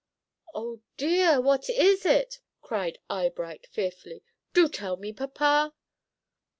"Oh dear! what is it?" cried Eyebright, fearfully. "Do tell me, papa."